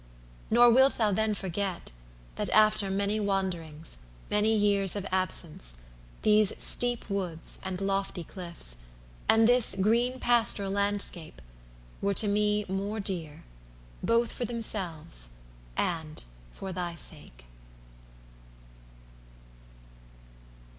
Nor wilt thou then forget, That after many wanderings, many years Of absence, these steep woods and lofty cliffs, And this green pastoral landscape, were to me More dear, both for themselves and for thy sake!